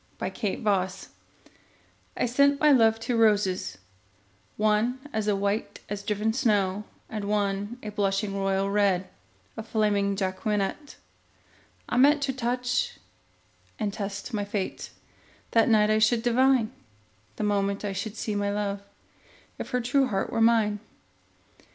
The White Flag I sent my love two roses, one As white as driven snow, And one a blushing royal red, A flaming Jacqueminot. I meant to touch and test my fate; That night I should divine, The moment I should see my love, If her true heart were mine.